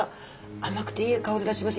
甘くていい香りがします。